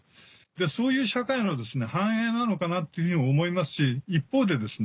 そういう社会の反映なのかなっていうふうにも思いますし一方でですね